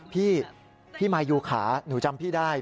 พี่พี่มายูขาหนูจำพี่ได้